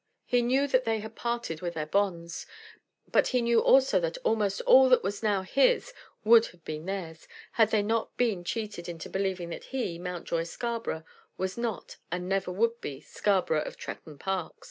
He knew that they had parted with their bonds. But he knew also that almost all that was now his would have been theirs, had they not been cheated into believing that he, Mountjoy Scarborough, was not, and never would be, Scarborough of Tretton Park.